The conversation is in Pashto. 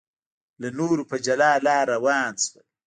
له نورو په جلا لار روان شول.